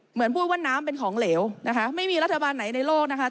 เหมือนพูดว่าน้ำเป็นของเหลวนะคะไม่มีรัฐบาลไหนในโลกนะคะ